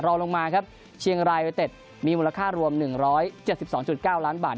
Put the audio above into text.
รองลงมาครับเชียงรายไปเต็ดมีมูลค่ารวม๑๗๒๙ล้านบาท